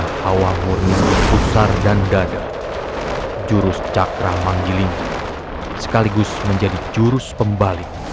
kepada hawa murni pusar dan dada jurus cakra manggil ini sekaligus menjadi jurus pembalik